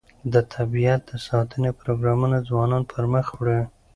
د طبیعت د ساتنې پروګرامونه ځوانان پرمخ وړي.